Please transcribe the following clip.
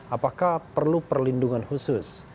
apakah perlu perlindungan khusus